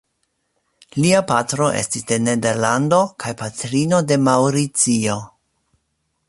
Lia patro estis de Nederlando kaj patrino de Maŭricio.